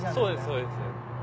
そうです。